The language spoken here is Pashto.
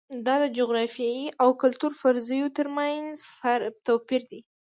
دا د جغرافیې او کلتور فرضیو ترمنځ توپیر دی.